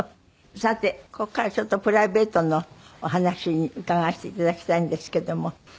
さてここからちょっとプライベートのお話に伺わせて頂きたいんですけども。